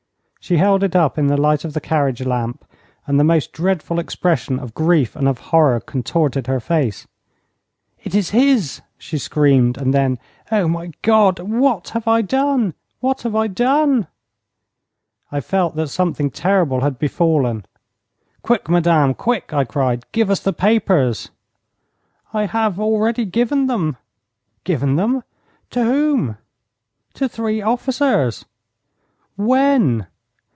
She held it up in the light of the carriage lamp, and the most dreadful expression of grief and of horror contorted her face. 'It is his!' she screamed, and then, 'Oh, my God, what have I done? What have I done?' I felt that something terrible had befallen. 'Quick, madame, quick!' I cried. 'Give us the papers!' 'I have already given them.' 'Given them! To whom?' 'To three officers.' 'When?'